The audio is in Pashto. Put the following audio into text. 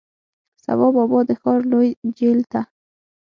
سبا بابا د ښار لوی جیل ته،